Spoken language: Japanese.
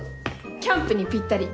キャンプにぴったり！